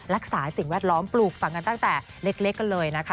สิ่งแวดล้อมปลูกฝังกันตั้งแต่เล็กกันเลยนะคะ